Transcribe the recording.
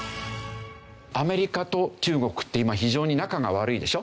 アメリカと中国って今非常に仲が悪いでしょ？